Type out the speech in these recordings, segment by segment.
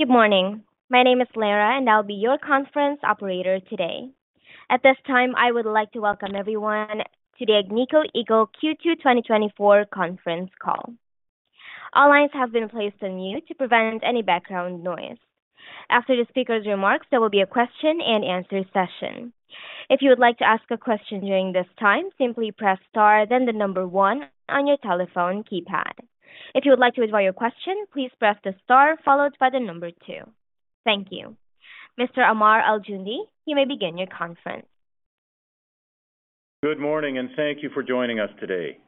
Good morning. My name is Lara, and I'll be your conference operator today. At this time, I would like to welcome everyone to the Agnico Eagle Q2 2024 conference call. All lines have been placed on mute to prevent any background noise. After the speaker's remarks, there will be a question-and-answer session. If you would like to ask a question during this time, simply press star, then one on your telephone keypad. If you would like to withdraw your question, please press the star followed by two. Thank you. Mr. Ammar Al-Joundi, you may begin your conference. Good morning, and thank you for joining us today.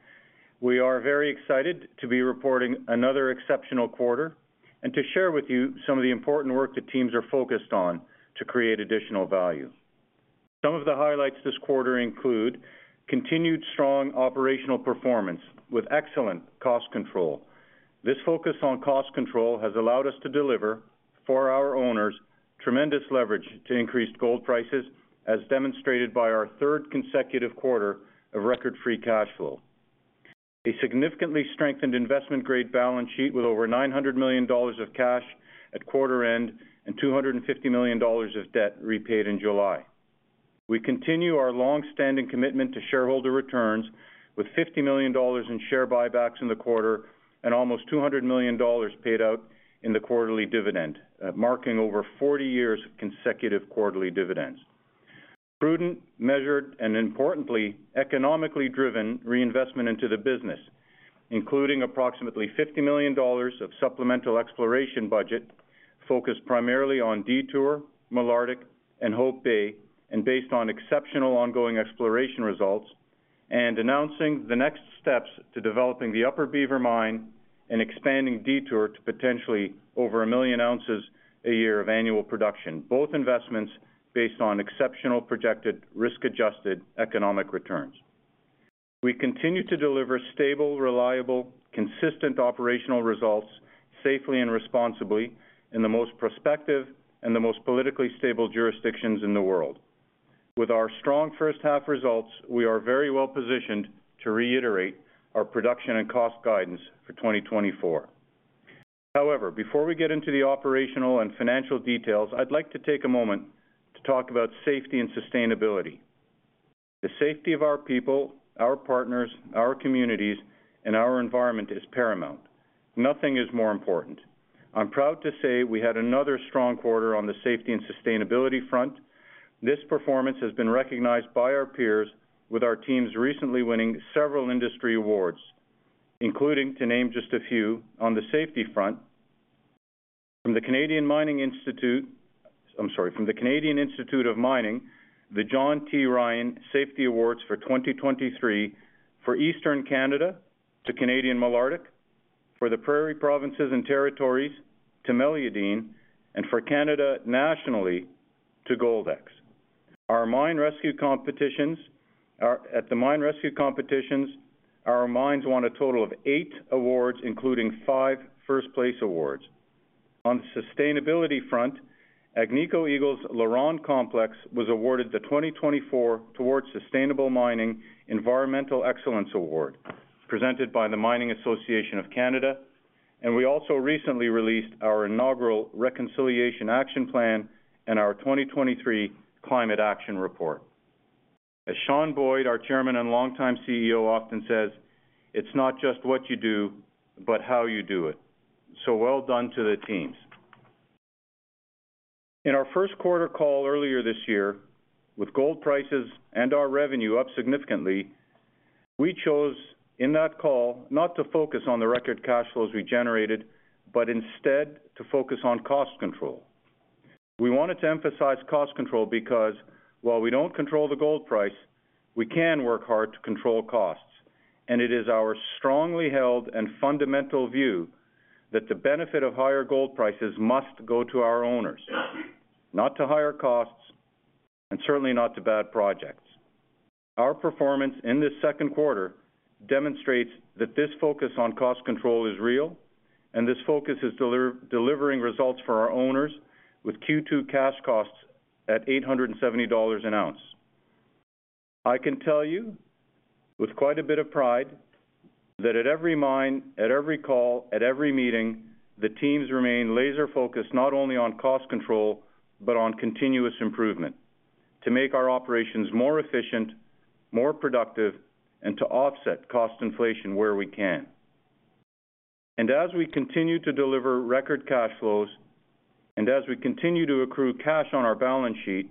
We are very excited to be reporting another exceptional quarter and to share with you some of the important work the teams are focused on to create additional value. Some of the highlights this quarter include continued strong operational performance with excellent cost control. This focus on cost control has allowed us to deliver for our owners, tremendous leverage to increased gold prices, as demonstrated by our third consecutive quarter of record free cash flow. A significantly strengthened investment-grade balance sheet with over $900 million of cash at quarter end and $250 million of debt repaid in July. We continue our long-standing commitment to shareholder returns, with $50 million in share buybacks in the quarter and almost $200 million paid out in the quarterly dividend, marking over 40 years of consecutive quarterly dividends. Prudent, measured, and importantly, economically driven reinvestment into the business, including approximately $50 million of supplemental exploration budget focused primarily on Detour, Malartic, and Hope Bay, and based on exceptional ongoing exploration results, and announcing the next steps to developing the Upper Beaver Mine and expanding Detour to potentially over a million ounces a year of annual production, both investments based on exceptional projected risk-adjusted economic returns. We continue to deliver stable, reliable, consistent operational results safely and responsibly in the most prospective and the most politically stable jurisdictions in the world. With our strong first half results, we are very well-positioned to reiterate our production and cost guidance for 2024. However, before we get into the operational and financial details, I'd like to take a moment to talk about safety and sustainability. The safety of our people, our partners, our communities, and our environment is paramount. Nothing is more important. I'm proud to say we had another strong quarter on the safety and sustainability front. This performance has been recognized by our peers, with our teams recently winning several industry awards, including, to name just a few, on the safety front, from the Canadian Mining Institute—I'm sorry, from the Canadian Institute of Mining, the John T. Ryan Safety Awards for 2023 for Eastern Canada to Canadian Malartic, for the Prairie Provinces and Territories to Meliadine, and for Canada nationally to Goldex. Our mine rescue competitions are... At the mine rescue competitions, our mines won a total of eight awards, including five first-place awards. On the sustainability front, Agnico Eagle's LaRonde Complex was awarded the 2024 Towards Sustainable Mining Environmental Excellence Award, presented by the Mining Association of Canada, and we also recently released our inaugural Reconciliation Action Plan and our 2023 Climate Action Report. As Sean Boyd, our chairman and longtime CEO, often says, "It's not just what you do, but how you do it." So well done to the teams. In our first quarter call earlier this year, with gold prices and our revenue up significantly, we chose, in that call, not to focus on the record cash flows we generated, but instead to focus on cost control. We wanted to emphasize cost control because while we don't control the gold price, we can work hard to control costs, and it is our strongly held and fundamental view that the benefit of higher gold prices must go to our owners, not to higher costs and certainly not to bad projects. Our performance in this second quarter demonstrates that this focus on cost control is real, and this focus is delivering results for our owners with Q2 cash costs at $870 an ounce. I can tell you with quite a bit of pride, that at every mine, at every call, at every meeting, the teams remain laser-focused not only on cost control, but on continuous improvement, to make our operations more efficient, more productive, and to offset cost inflation where we can. As we continue to deliver record cash flows, and as we continue to accrue cash on our balance sheet,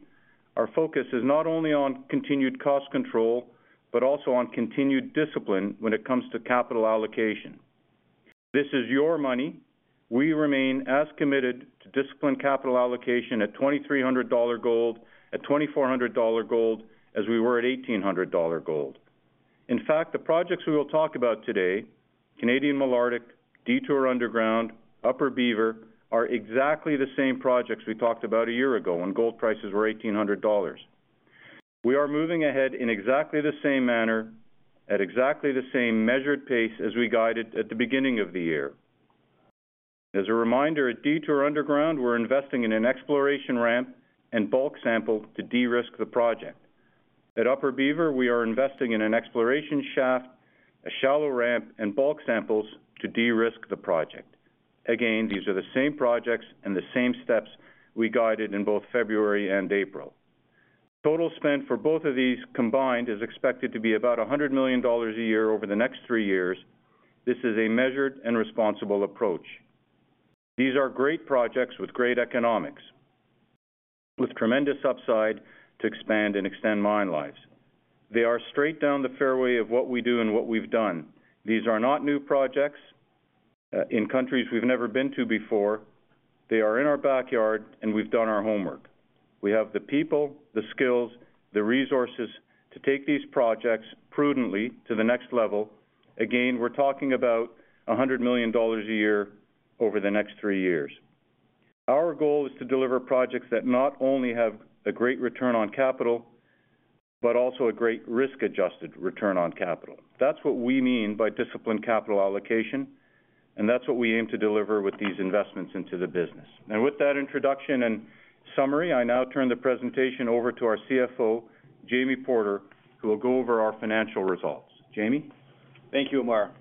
our focus is not only on continued cost control, but also on continued discipline when it comes to capital allocation. This is your money. We remain as committed to disciplined capital allocation at $2,300 gold, at $2,400 gold, as we were at $1,800 gold. In fact, the projects we will talk about today, Canadian Malartic, Detour Underground, Upper Beaver, are exactly the same projects we talked about a year ago when gold prices were $1,800. We are moving ahead in exactly the same manner, at exactly the same measured pace as we guided at the beginning of the year. As a reminder, at Detour Underground, we're investing in an exploration ramp and bulk sample to de-risk the project. At Upper Beaver, we are investing in an exploration shaft, a shallow ramp, and bulk samples to de-risk the project. Again, these are the same projects and the same steps we guided in both February and April. Total spend for both of these combined is expected to be about $100 million a year over the next three years. This is a measured and responsible approach. These are great projects with great economics, with tremendous upside to expand and extend mine lives. They are straight down the fairway of what we do and what we've done. These are not new projects in countries we've never been to before. They are in our backyard, and we've done our homework. We have the people, the skills, the resources to take these projects prudently to the next level. Again, we're talking about $100 million a year over the next three years. Our goal is to deliver projects that not only have a great return on capital, but also a great risk-adjusted return on capital. That's what we mean by disciplined capital allocation, and that's what we aim to deliver with these investments into the business. And with that introduction and summary, I now turn the presentation over to our CFO, Jamie Porter, who will go over our financial results. Jamie? Thank you, Ammar.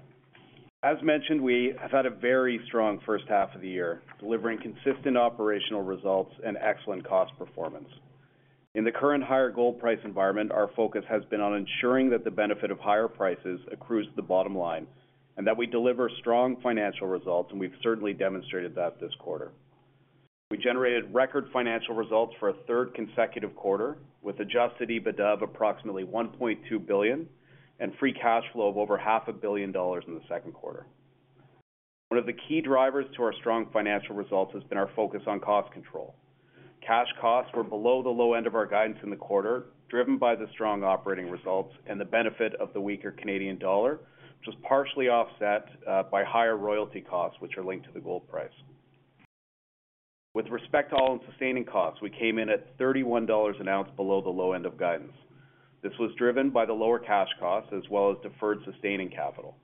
As mentioned, we have had a very strong first half of the year, delivering consistent operational results and excellent cost performance. In the current higher gold price environment, our focus has been on ensuring that the benefit of higher prices accrues to the bottom line, and that we deliver strong financial results, and we've certainly demonstrated that this quarter. We generated record financial results for a third consecutive quarter, with adjusted EBITDA of approximately $1.2 billion, and free cash flow of over $500 million in the second quarter. One of the key drivers to our strong financial results has been our focus on cost control. Cash costs were below the low end of our guidance in the quarter, driven by the strong operating results and the benefit of the weaker Canadian dollar, which was partially offset by higher royalty costs, which are linked to the gold price. With respect to all-in sustaining costs, we came in at $31 an ounce below the low end of guidance. This was driven by the lower cash costs as well as deferred sustaining capital.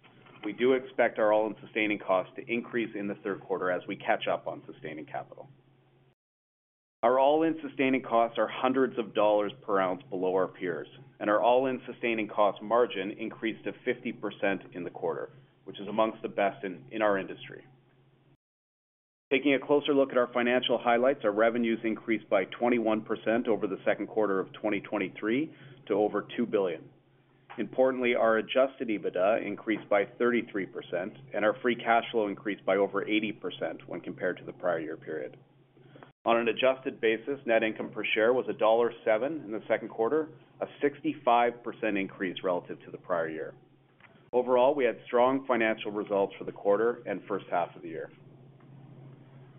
We do expect our all-in sustaining costs to increase in the third quarter as we catch up on sustaining capital. Our all-in sustaining costs are hundreds of dollars per ounce below our peers, and our all-in sustaining cost margin increased to 50% in the quarter, which is among the best in our industry. Taking a closer look at our financial highlights, our revenues increased by 21% over the second quarter of 2023 to over $2 billion. Importantly, our adjusted EBITDA increased by 33%, and our free cash flow increased by over 80% when compared to the prior year period. On an adjusted basis, net income per share was $1.07 in the second quarter, a 65% increase relative to the prior year. Overall, we had strong financial results for the quarter and first half of the year.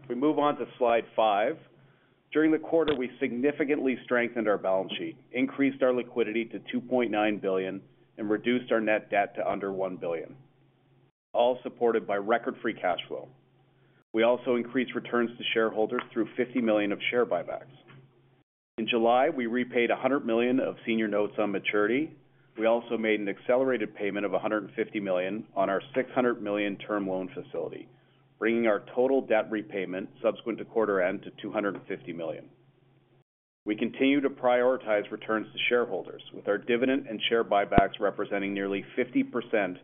We move on to slide five. During the quarter, we significantly strengthened our balance sheet, increased our liquidity to $2.9 billion, and reduced our net debt to under $1 billion, all supported by record free cash flow. We also increased returns to shareholders through $50 million of share buybacks. In July, we repaid $100 million of senior notes on maturity. We also made an accelerated payment of $150 million on our $600 million term loan facility, bringing our total debt repayment subsequent to quarter end to $250 million. We continue to prioritize returns to shareholders, with our dividend and share buybacks representing nearly 50%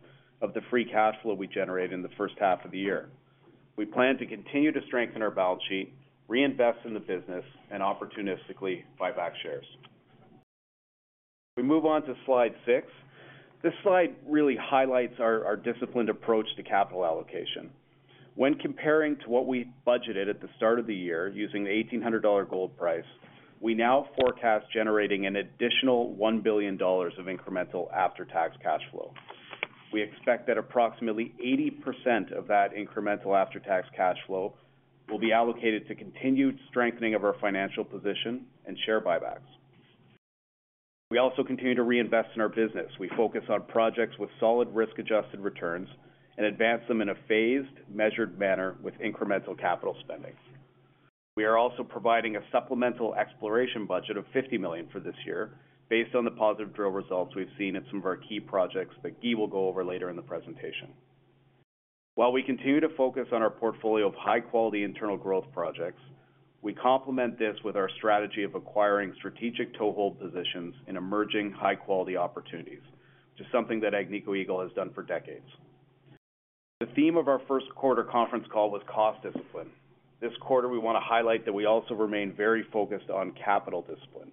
of the free cash flow we generated in the first half of the year. We plan to continue to strengthen our balance sheet, reinvest in the business, and opportunistically buy back shares. We move on to slide six. This slide really highlights our disciplined approach to capital allocation. When comparing to what we budgeted at the start of the year, using the $1,800 gold price, we now forecast generating an additional $1 billion of incremental after-tax cash flow. We expect that approximately 80% of that incremental after-tax cash flow will be allocated to continued strengthening of our financial position and share buybacks. We also continue to reinvest in our business. We focus on projects with solid risk-adjusted returns and advance them in a phased, measured manner with incremental capital spending. We are also providing a supplemental exploration budget of $50 million for this year based on the positive drill results we've seen at some of our key projects that Guy will go over later in the presentation. While we continue to focus on our portfolio of high-quality internal growth projects, we complement this with our strategy of acquiring strategic toehold positions in emerging high-quality opportunities, which is something that Agnico Eagle has done for decades. The theme of our first quarter conference call was cost discipline. This quarter, we want to highlight that we also remain very focused on capital discipline.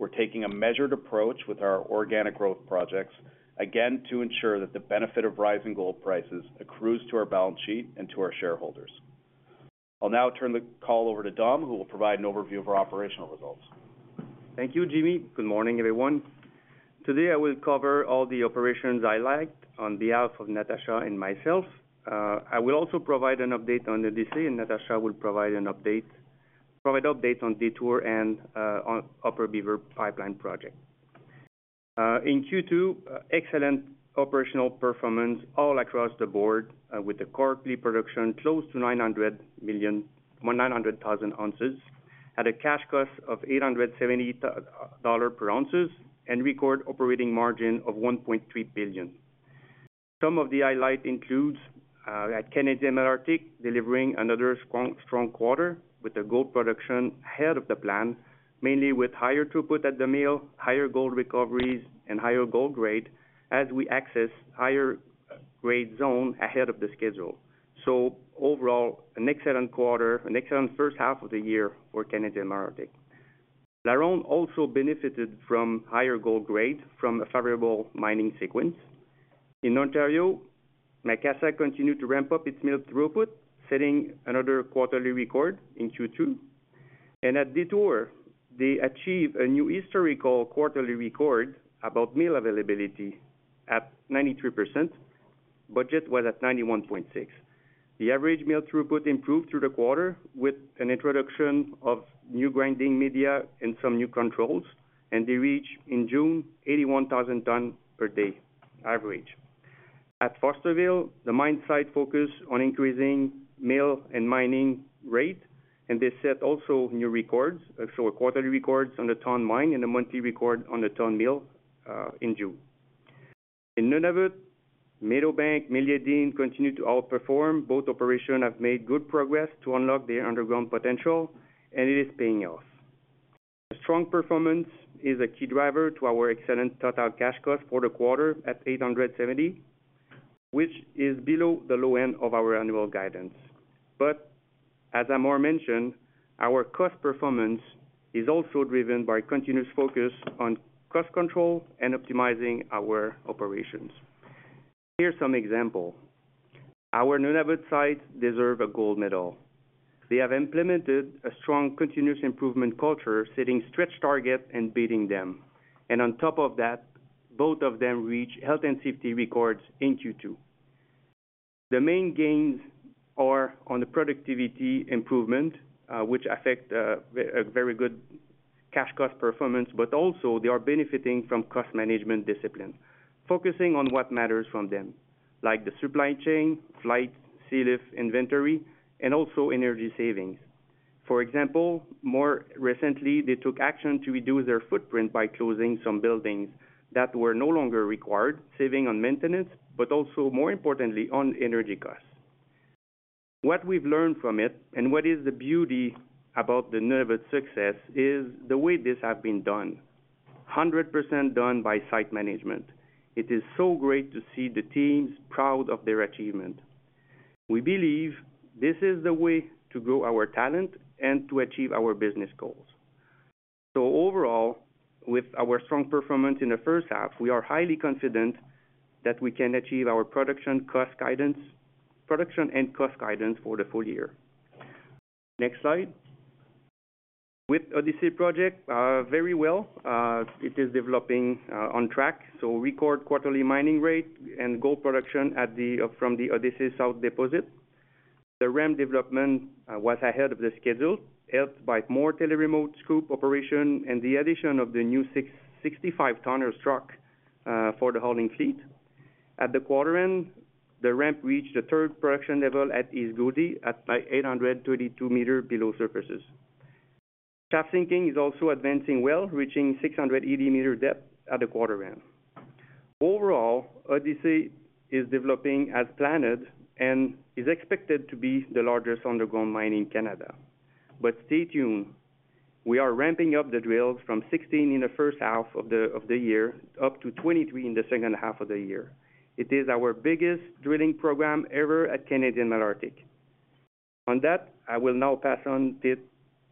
We're taking a measured approach with our organic growth projects, again, to ensure that the benefit of rising gold prices accrues to our balance sheet and to our shareholders. I'll now turn the call over to Dom, who will provide an overview of our operational results. Thank you, Jamie. Good morning, everyone. Today, I will cover all the operations highlights on behalf of Natasha and myself. I will also provide an update on the Odyssey, and Natasha will provide an update on Detour and on Upper Beaver pipeline project. In Q2, excellent operational performance all across the board, with the quarterly production close to 900,000 ounces, at a cash cost of $870 per ounce and record operating margin of $1.3 billion. ...Some of the highlight includes at Canadian Malartic, delivering another strong, strong quarter with the gold production ahead of the plan, mainly with higher throughput at the mill, higher gold recoveries, and higher gold grade as we access higher grade zone ahead of the schedule. So overall, an excellent quarter, an excellent first half of the year for Canadian Malartic. LaRonde also benefited from higher gold grade from a favorable mining sequence. In Ontario, Macassa continued to ramp up its mill throughput, setting another quarterly record in Q2. And at Detour, they achieved a new historical quarterly record about mill availability at 93%. Budget was at 91.6%. The average mill throughput improved through the quarter with an introduction of new grinding media and some new controls, and they reached, in June, 81,000 tons per day average. At Fosterville, the mine site focused on increasing mill and mining rate, and they set also new records, so quarterly records on the ton mine and a monthly record on the ton mill in June. In Nunavut, Meadowbank, Meliadine continued to outperform. Both operations have made good progress to unlock their underground potential, and it is paying off. A strong performance is a key driver to our excellent total cash cost for the quarter at $870, which is below the low end of our annual guidance. But as Ammar mentioned, our cost performance is also driven by continuous focus on cost control and optimizing our operations. Here's some example. Our Nunavut sites deserve a gold medal. They have implemented a strong continuous improvement culture, setting stretch targets and beating them. And on top of that, both of them reached health and safety records in Q2. The main gains are on the productivity improvement, which affect a very good cash cost performance, but also they are benefiting from cost management discipline, focusing on what matters from them, like the supply chain, flight, sea lift, inventory, and also energy savings. For example, more recently, they took action to reduce their footprint by closing some buildings that were no longer required, saving on maintenance, but also, more importantly, on energy costs. What we've learned from it, and what is the beauty about the Nunavut success, is the way this have been done. Hundred percent done by site management. It is so great to see the teams proud of their achievement. We believe this is the way to grow our talent and to achieve our business goals. So overall, with our strong performance in the first half, we are highly confident that we can achieve our production cost guidance, production and cost guidance for the full year. Next slide. With Odyssey project very well, it is developing on track, so record quarterly mining rate and gold production from the Odyssey South deposit. The ramp development was ahead of the schedule, helped by more teleremote scoop operation and the addition of the new 65-tonner truck for the hauling fleet. At the quarter end, the ramp reached the third production level at East Gouldie, at 822 m below surface. Shaft sinking is also advancing well, reaching 680 m depth at the quarter end. Overall, Odyssey is developing as planned and is expected to be the largest underground mine in Canada. But stay tuned, we are ramping up the drills from 16 in the first half of the year, up to 23 in the second half of the year. It is our biggest drilling program ever at Canadian Malartic. On that, I will now pass on it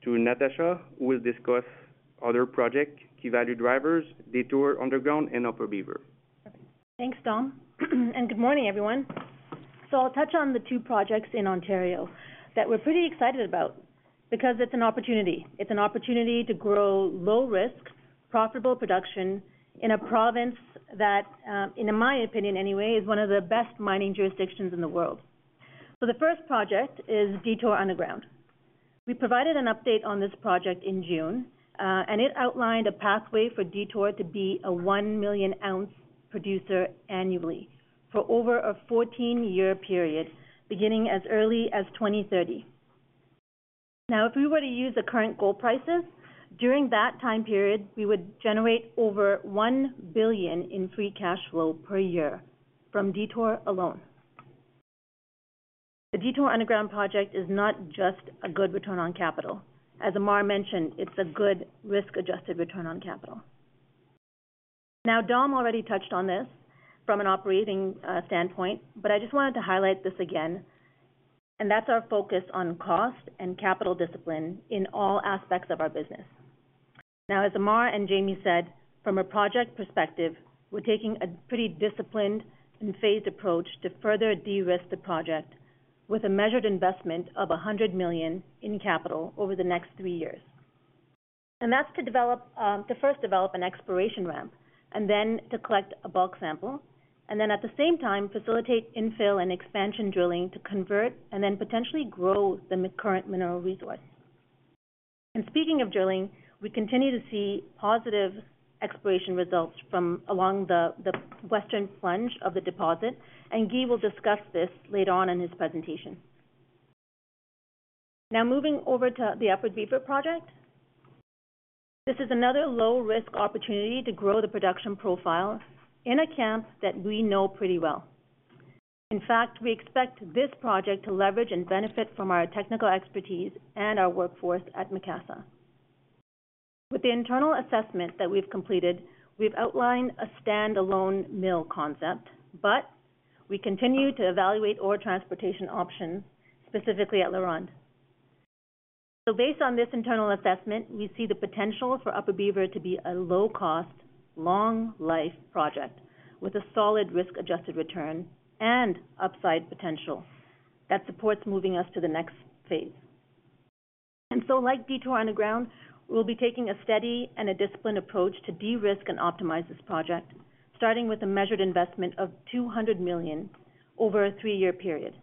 to Natasha, who will discuss other project, key value drivers, Detour Underground, and Upper Beaver. Thanks, Dom. And good morning, everyone. So I'll touch on the two projects in Ontario that we're pretty excited about because it's an opportunity. It's an opportunity to grow low risk, profitable production in a province that, in my opinion anyway, is one of the best mining jurisdictions in the world. So the first project is Detour Underground. We provided an update on this project in June, and it outlined a pathway for Detour to be a 1 million ounce producer annually for over a 14-year period, beginning as early as 2030. Now, if we were to use the current gold prices, during that time period, we would generate over $1 billion in free cash flow per year from Detour alone. The Detour Underground project is not just a good return on capital. As Ammar mentioned, it's a good risk-adjusted return on capital. Now, Dom already touched on this from an operating standpoint, but I just wanted to highlight this again, and that's our focus on cost and capital discipline in all aspects of our business. Now, as Ammar and Jamie said, from a project perspective, we're taking a pretty disciplined and phased approach to further de-risk the project with a measured investment of $100 million in capital over the next three years. And that's to develop, to first develop an exploration ramp, and then to collect a bulk sample, and then, at the same time, facilitate infill and expansion drilling to convert and then potentially grow the current mineral resource. And speaking of drilling, we continue to see positive exploration results from along the western plunge of the deposit, and Guy will discuss this later on in his presentation. Now moving over to the Upper Beaver project. This is another low-risk opportunity to grow the production profile in a camp that we know pretty well. In fact, we expect this project to leverage and benefit from our technical expertise and our workforce at Macassa. With the internal assessment that we've completed, we've outlined a standalone mill concept, but we continue to evaluate ore transportation options, specifically at LaRonde. So based on this internal assessment, we see the potential for Upper Beaver to be a low-cost, long-life project, with a solid risk-adjusted return and upside potential that supports moving us to the next phase. And so like Detour Underground, we'll be taking a steady and a disciplined approach to de-risk and optimize this project, starting with a measured investment of $200 million over a three-year period.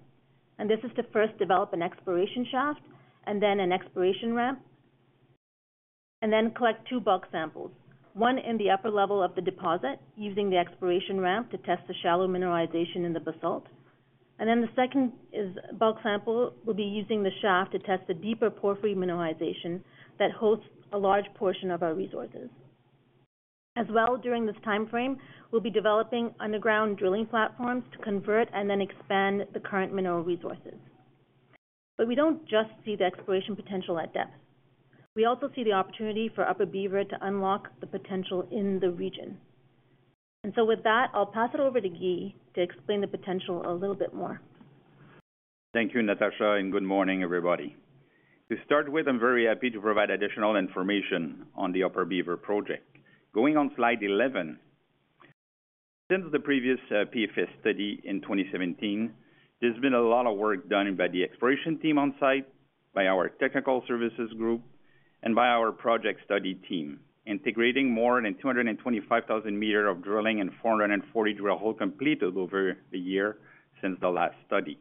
This is to first develop an exploration shaft and then an exploration ramp, and then collect two bulk samples, one in the upper level of the deposit, using the exploration ramp to test the shallow mineralization in the basalt. And then the second is, bulk sample will be using the shaft to test the deeper porphyry mineralization that hosts a large portion of our resources. As well, during this time frame, we'll be developing underground drilling platforms to convert and then expand the current mineral resources. But we don't just see the exploration potential at depth. We also see the opportunity for Upper Beaver to unlock the potential in the region. And so with that, I'll pass it over to Guy to explain the potential a little bit more. Thank you, Natasha, and good morning, everybody. To start with, I'm very happy to provide additional information on the Upper Beaver project. Going on slide 11, since the previous PFS study in 2017, there's been a lot of work done by the exploration team on site, by our technical services group, and by our project study team, integrating more than 225,000 m of drilling and 440 drill holes completed over the years since the last study.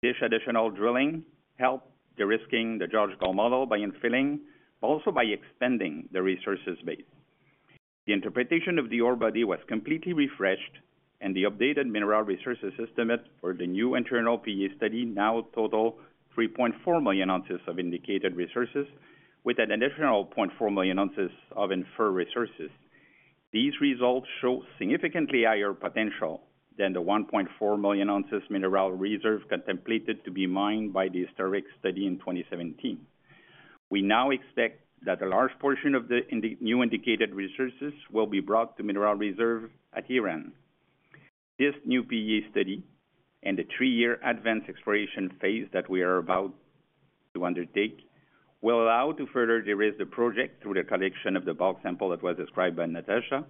This additional drilling helped de-risking the geological model by infilling, but also by extending the resources base. The interpretation of the ore body was completely refreshed, and the updated mineral resources estimate for the new internal PEA study now totals 3.4 million ounces of indicated resources, with an additional 0.4 million ounces of inferred resources. These results show significantly higher potential than the 1.4 million ounces mineral reserve contemplated to be mined by the historic study in 2017. We now expect that a large portion of the indicated resources will be brought to mineral reserve at year-end. This new PEA study and the three-year advanced exploration phase that we are about to undertake will allow to further de-risk the project through the collection of the bulk sample that was described by Natasha.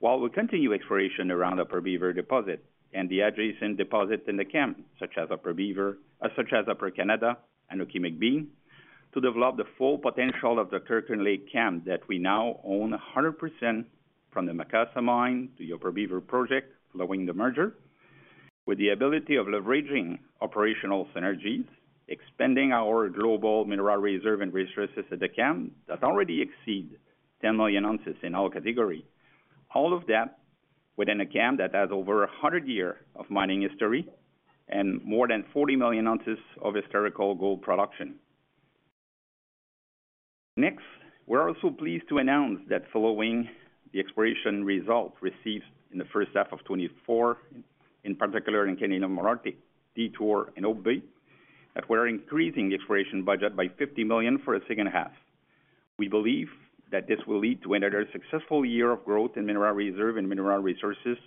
While we continue exploration around Upper Beaver deposit and the adjacent deposit in the camp, such as Upper Beaver, such as Upper Canada and Anoki-McBean, to develop the full potential of the Kirkland Lake camp that we now own 100% from the Macassa mine to the Upper Beaver project, following the merger. With the ability of leveraging operational synergies, expanding our global mineral reserves and resources at the camp, that already exceed 10 million ounces in all categories, all of that within a camp that has over 100 years of mining history and more than 40 million ounces of historical gold production. Next, we're also pleased to announce that following the exploration results received in the first half of 2024, in particular in Canadian Malartic, Detour and Abitibi, that we're increasing the exploration budget by $50 million for a second half. We believe that this will lead to another successful year of growth in mineral reserves and mineral resources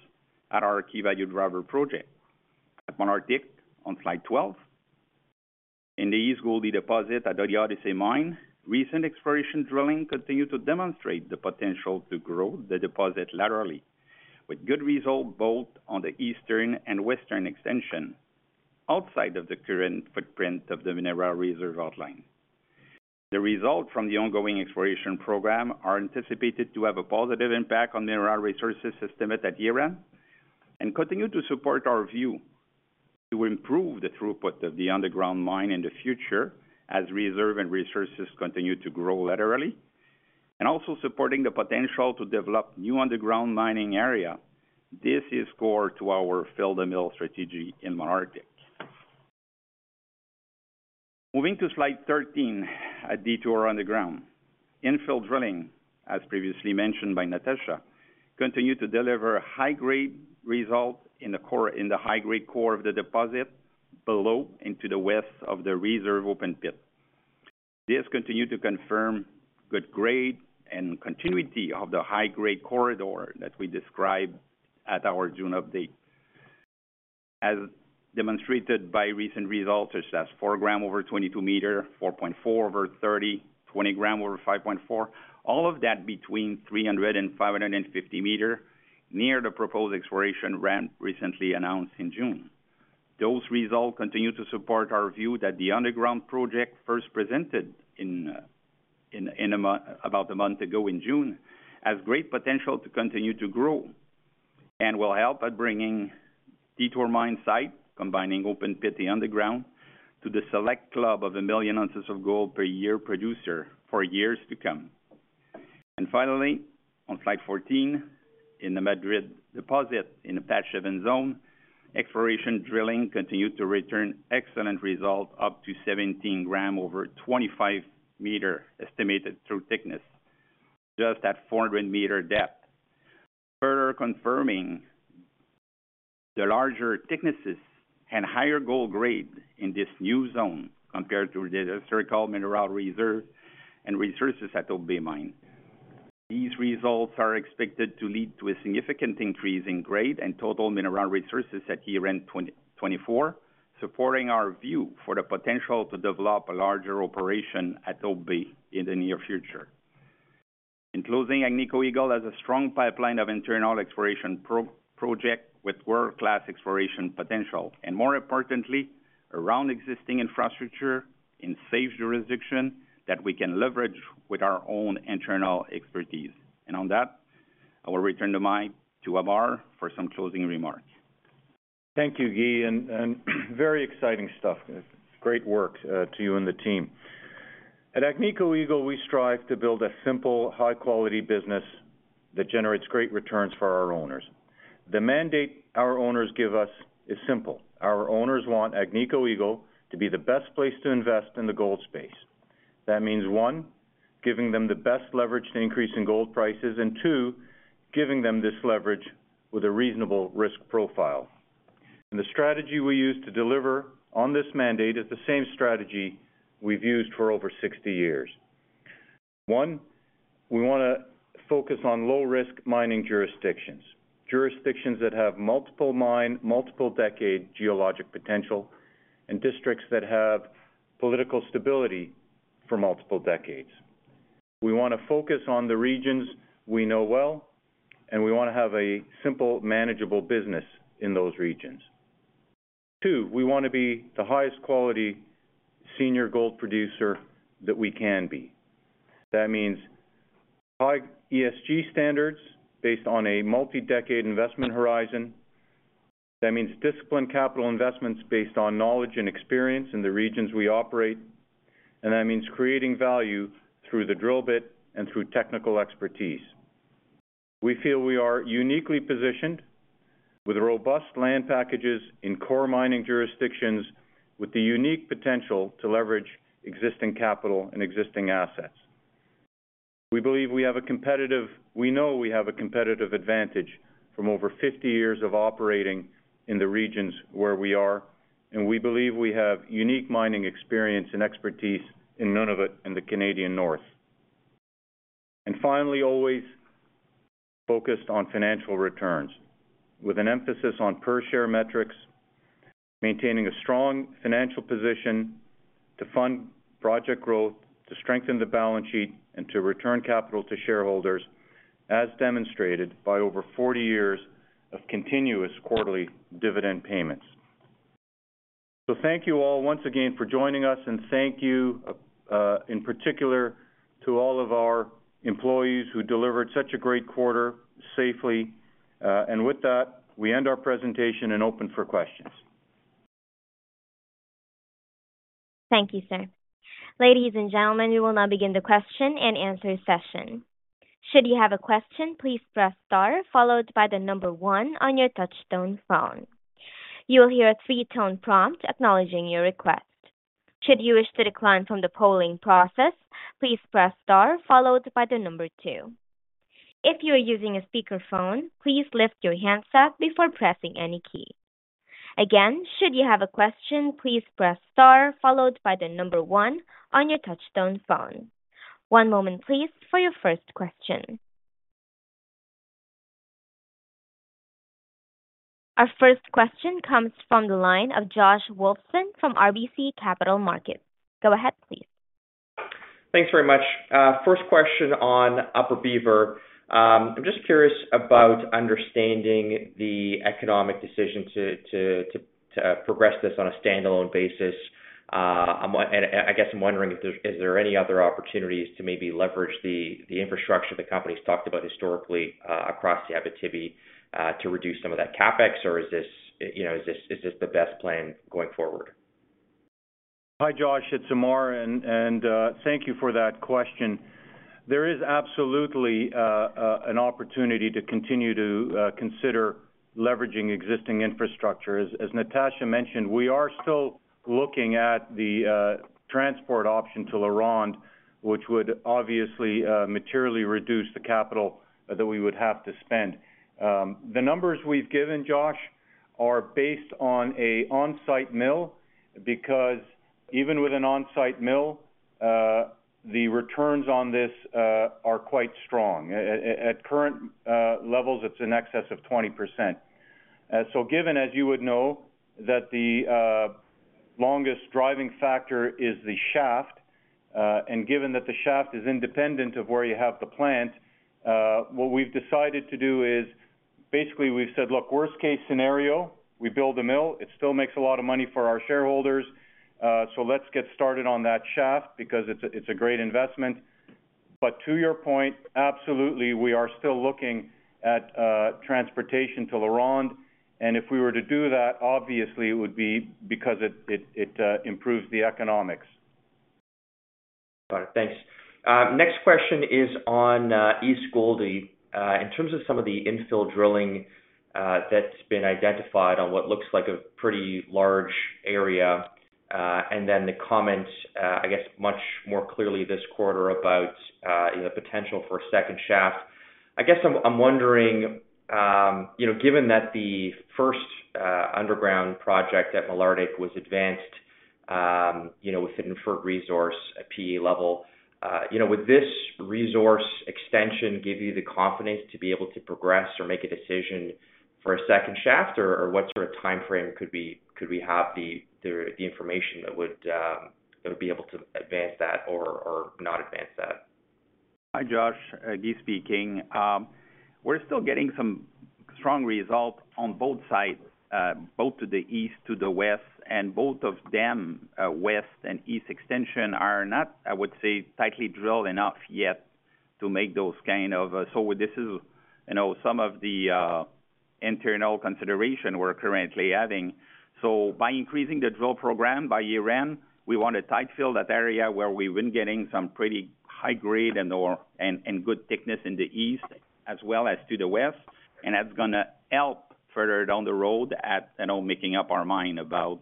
at our key value driver project. At Malartic, on slide 12, in the East Gouldie deposit at the Odyssey Mine, recent exploration drilling continued to demonstrate the potential to grow the deposit laterally, with good results both on the eastern and western extensions, outside of the current footprint of the mineral reserve outline. The results from the ongoing exploration program are anticipated to have a positive impact on mineral resources estimate at year-end, and continue to support our view to improve the throughput of the underground mine in the future, as reserves and resources continue to grow laterally, and also supporting the potential to develop new underground mining areas. This is core to our fill the mill strategy in Malartic. Moving to slide 13, at Detour Underground. Infill drilling, as previously mentioned by Natasha, continued to deliver high-grade results in the high-grade core of the deposit, below into the west of the reserve open pit. This continued to confirm good grade and continuity of the high-grade corridor that we described at our June update. As demonstrated by recent results, such as 4 g over 22 m, 4.4 g over 30 m, 20 g over 5.4 m, all of that between 300 m and 550 m, near the proposed exploration ramp, recently announced in June. Those results continue to support our view that the underground project first presented in a month, about a month ago in June, has great potential to continue to grow, and will help at bringing Detour mine site, combining open pit and underground, to the select club of 1 million ounces of gold per year producer for years to come. And finally, on slide 14, in the Madrid deposit, in the Patch Seven zone, exploration drilling continued to return excellent result, up to 17 g over 25 m, estimated true thickness, just at 400 m depth. Further confirming the larger thicknesses and higher gold grade in this new zone compared to the historical mineral reserve and resources at the Hope Bay mine. These results are expected to lead to a significant increase in grade and total mineral resources at year-end 2024, supporting our view for the potential to develop a larger operation at Hope Bay in the near future. In closing, Agnico Eagle has a strong pipeline of internal exploration projects, with world-class exploration potential, and more importantly, around existing infrastructure in safe jurisdictions that we can leverage with our own internal expertise. And on that, I will return the mic to Ammar for some closing remarks. Thank you, Guy, and, very exciting stuff. Great work, to you and the team. At Agnico Eagle, we strive to build a simple, high quality business that generates great returns for our owners. The mandate our owners give us is simple: Our owners want Agnico Eagle to be the best place to invest in the gold space. That means, One, giving them the best leverage to increase in gold prices, and Two, giving them this leverage with a reasonable risk profile. And the strategy we use to deliver on this mandate is the same strategy we've used for over 60 years. One, we wanna focus on low-risk mining jurisdictions. Jurisdictions that have multiple mine, multiple decade geologic potential, and districts that have political stability for multiple decades. We wanna focus on the regions we know well, and we wanna have a simple, manageable business in those regions. Two, we wanna be the highest quality senior gold producer that we can be. That means high ESG standards based on a multi-decade investment horizon. That means disciplined capital investments based on knowledge and experience in the regions we operate, and that means creating value through the drill bit and through technical expertise. We feel we are uniquely positioned with robust land packages in core mining jurisdictions, with the unique potential to leverage existing capital and existing assets. We know we have a competitive advantage from over 50 years of operating in the regions where we are, and we believe we have unique mining experience and expertise in Nunavut, in the Canadian North. And finally, always focused on financial returns, with an emphasis on per share metrics, maintaining a strong financial position to fund project growth, to strengthen the balance sheet, and to return capital to shareholders, as demonstrated by over 40 years of continuous quarterly dividend payments. So thank you all once again for joining us, and thank you, in particular, to all of our employees who delivered such a great quarter safely. And with that, we end our presentation and open for questions. Thank you, sir. Ladies and gentlemen, we will now begin the question and answer session. Should you have a question, please press star followed by the number one on your touchtone phone. You will hear a three-tone prompt acknowledging your request. Should you wish to decline from the polling process, please press star followed by the number two. If you are using a speakerphone, please lift your handset before pressing any key. Again, should you have a question, please press star followed by the number one on your touchtone phone. One moment, please, for your first question. Our first question comes from the line of Josh Wolfson from RBC Capital Markets. Go ahead, please. Thanks very much. First question on Upper Beaver. I'm just curious about understanding the economic decision to progress this on a standalone basis. And I guess I'm wondering if there is any other opportunities to maybe leverage the infrastructure the company's talked about historically across the Abitibi to reduce some of that CapEx, or is this you know is this the best plan going forward? Hi, Josh, it's Ammar, and thank you for that question. There is absolutely an opportunity to continue to consider leveraging existing infrastructure. As Natasha mentioned, we are still looking at the transport option to LaRonde, which would obviously materially reduce the capital that we would have to spend. The numbers we've given, Josh, are based on an on-site mill, because even with an on-site mill, the returns on this are quite strong. At current levels, it's in excess of 20%. So given, as you would know, that the longest driving factor is the shaft, and given that the shaft is independent of where you have the plant, what we've decided to do is, basically, we've said, "Look, worst case scenario, we build a mill. It still makes a lot of money for our shareholders, so let's get started on that shaft because it's a great investment." But to your point, absolutely, we are still looking at transportation to LaRonde, and if we were to do that, obviously it would be because it improves the economics. Got it. Thanks. Next question is on East Gouldie. In terms of some of the infill drilling that's been identified on what looks like a pretty large area, and then the comment, I guess, much more clearly this quarter about, you know, potential for a second shaft. I guess I'm wondering, you know, given that the first underground project at Malartic was advanced, you know, with an inferred resource, a PEA level, you know, would this resource extension give you the confidence to be able to progress or make a decision for a second shaft, or what sort of timeframe could we have the information that would be able to advance that or not advance that? Hi, Josh, Guy speaking. We're still getting some strong results on both sides, both to the east, to the west, and both of them, west and east extension, are not, I would say, tightly drilled enough yet to make those kind of... So this is, you know, some of the internal consideration we're currently having. So by increasing the drill program by year-end, we want to infill that area where we've been getting some pretty high grade and good thickness in the east as well as to the west, and that's gonna help further down the road at, you know, making up our mind about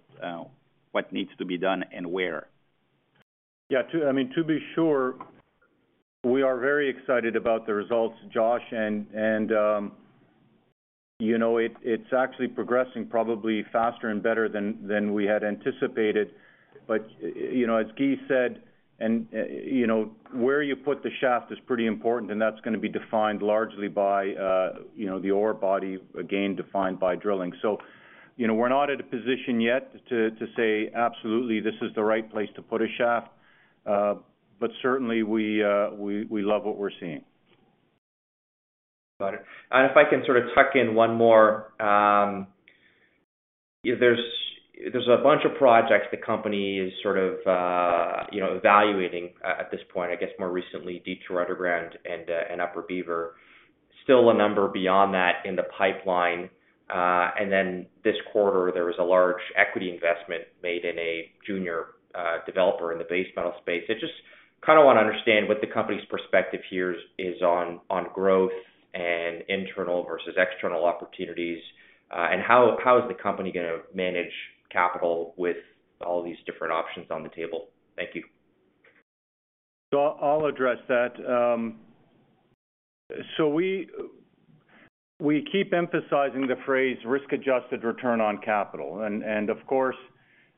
what needs to be done and where. Yeah, I mean, to be sure, we are very excited about the results, Josh, and you know, it's actually progressing probably faster and better than we had anticipated. But you know, as Guy said, and you know, where you put the shaft is pretty important, and that's gonna be defined largely by you know, the ore body, again, defined by drilling. So, you know, we're not at a position yet to say, absolutely, this is the right place to put a shaft, but certainly we love what we're seeing. Got it. And if I can sort of tuck in one more, there's a bunch of projects the company is sort of, you know, evaluating at this point. I guess more recently, Detour Underground and Upper Beaver. Still a number beyond that in the pipeline, and then this quarter, there was a large equity investment made in a junior developer in the base metal space. I just kind of wanna understand what the company's perspective here is on growth and internal versus external opportunities, and how is the company gonna manage capital with all these different options on the table? Thank you. So I'll address that. So we keep emphasizing the phrase, risk-adjusted return on capital, and of course,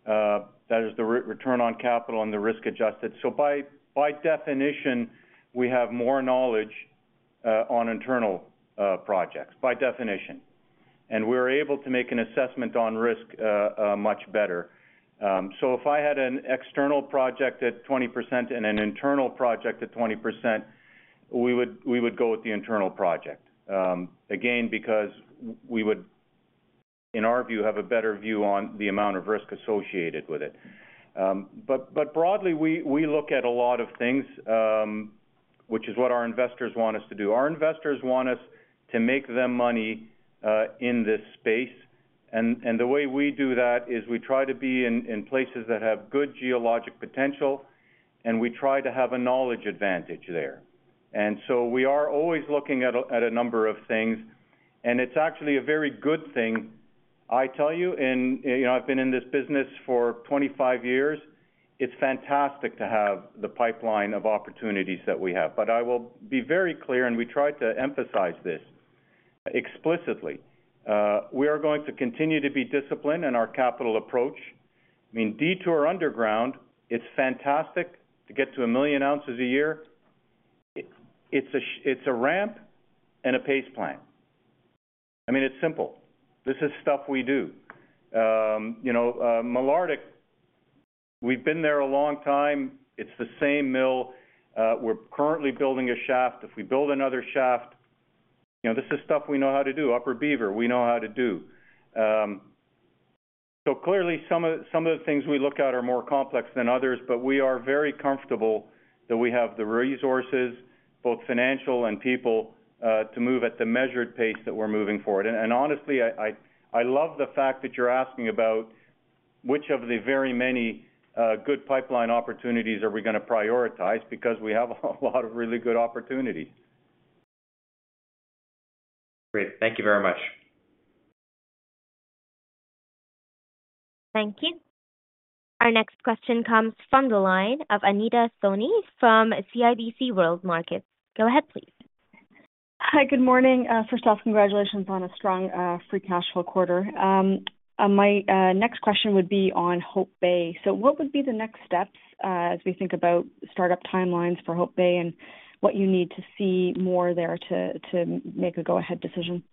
that is the return on capital and the risk-adjusted. So by definition, we have more knowledge on internal projects, by definition, and we're able to make an assessment on risk much better. So if I had an external project at 20% and an internal project at 20%, we would go with the internal project, again, because we would, in our view, have a better view on the amount of risk associated with it. But broadly, we look at a lot of things, which is what our investors want us to do. Our investors want us to make them money in this space, and the way we do that is we try to be in places that have good geologic potential, and we try to have a knowledge advantage there. And so we are always looking at a number of things, and it's actually a very good thing, I tell you, and, you know, I've been in this business for 25 years, it's fantastic to have the pipeline of opportunities that we have. But I will be very clear, and we tried to emphasize this explicitly. We are going to continue to be disciplined in our capital approach. I mean, Detour Underground, it's fantastic to get to 1 million ounces a year. It's a ramp and a pace plan. I mean, it's simple. This is stuff we do. You know, Malartic, we've been there a long time. It's the same mill. We're currently building a shaft. If we build another shaft, you know, this is stuff we know how to do. Upper Beaver, we know how to do. So clearly, some of, some of the things we look at are more complex than others, but we are very comfortable that we have the resources, both financial and people, to move at the measured pace that we're moving forward. And, and honestly, I, I, I love the fact that you're asking about which of the very many, good pipeline opportunities are we gonna prioritize? Because we have a lot of really good opportunities. Great. Thank you very much. Thank you. Our next question comes from the line of Anita Soni, from CIBC World Markets. Go ahead, please. Hi, good morning. First off, congratulations on a strong free cash flow quarter. My next question would be on Hope Bay. What would be the next steps as we think about startup timelines for Hope Bay and what you need to see more there to make a go-ahead decision?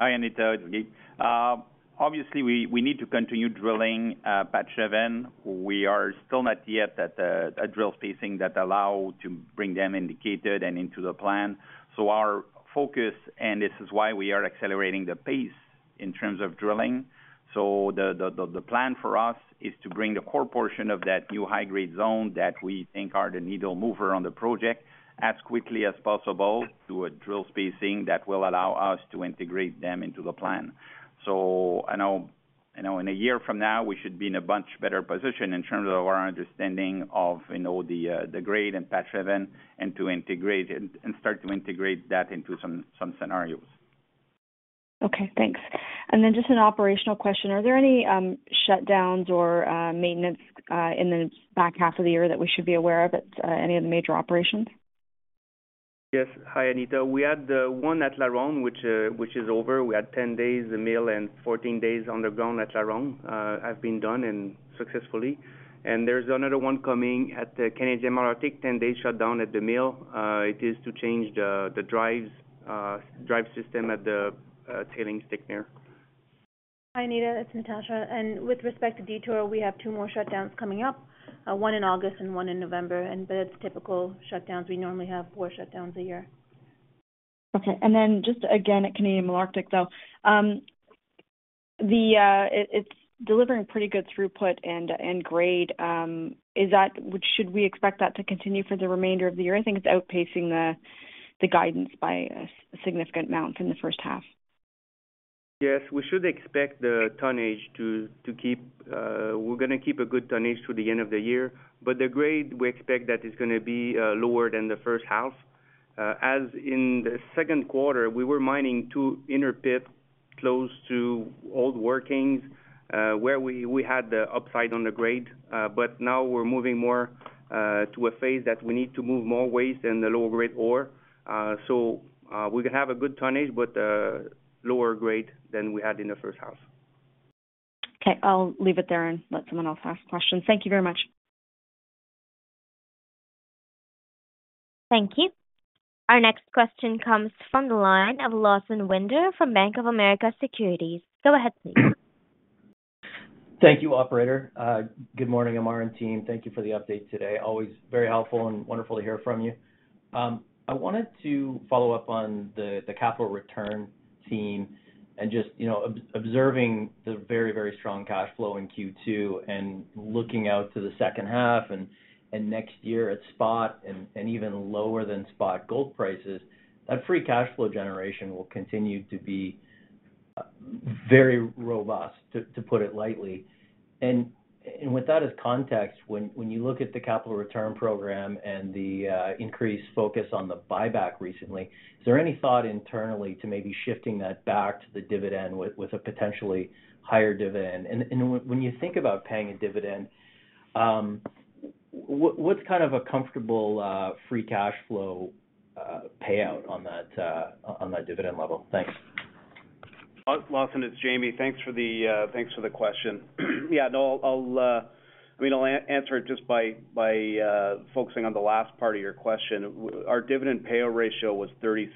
Hi, Anita, it's Guy. Obviously, we need to continue drilling Patch Seven. We are still not yet at a drill spacing that allows to bring them indicated and into the plan. So our focus, and this is why we are accelerating the pace in terms of drilling. So the plan for us is to bring the core portion of that new high-grade zone that we think are the needle mover on the project as quickly as possible to a drill spacing that will allow us to integrate them into the plan. So I know-... you know, in a year from now, we should be in a much better position in terms of our understanding of, you know, the grade and Patch Seven, and to integrate and start to integrate that into some scenarios. Okay, thanks. And then just an operational question: Are there any shutdowns or maintenance in the back half of the year that we should be aware of at any of the major operations? Yes. Hi, Anita. We had one at LaRonde, which is over. We had 10 days, the mill and 14 days underground at LaRonde have been done and successfully. And there's another one coming at the Canadian Malartic, 10-day shutdown at the mill. It is to change the drives, drive system at the tailings thickener. Hi, Anita, it's Natasha. With respect to Detour, we have two more shutdowns coming up, one in August and one in November. It's typical shutdowns. We normally have four shutdowns a year. Okay. And then just again, at Canadian Malartic, though, it's delivering pretty good throughput and grade. Should we expect that to continue for the remainder of the year? I think it's outpacing the guidance by a significant amount in the first half. Yes, we should expect the tonnage to keep. We're gonna keep a good tonnage through the end of the year. But the grade, we expect that it's gonna be lower than the first half. As in the second quarter, we were mining two inner pit close to old workings, where we had the upside on the grade. But now we're moving more to a phase that we need to move more waste than the lower grade ore. So, we can have a good tonnage, but lower grade than we had in the first half. Okay. I'll leave it there and let someone else ask questions. Thank you very much. Thank you. Our next question comes from the line of Lawson Winder from Bank of America Securities. Go ahead, please. Thank you, operator. Good morning, Ammar and team. Thank you for the update today. Always very helpful and wonderful to hear from you. I wanted to follow up on the, the capital return team and just, you know, observing the very, very strong cash flow in Q2, and looking out to the second half and, and next year at spot and, and even lower than spot gold prices, that free cash flow generation will continue to be, very robust, to, to put it lightly. And, and with that as context, when, when you look at the capital return program and the, uh, increased focus on the buyback recently, is there any thought internally to maybe shifting that back to the dividend with, with a potential higher dividend? And when you think about paying a dividend, what’s kind of a comfortable free cash flow payout on that dividend level? Thanks. Lawson, it's Jamie. Thanks for the, thanks for the question. Yeah, no, I'll, I mean, I'll answer it just by, by, focusing on the last part of your question. Our dividend payout ratio was 36%,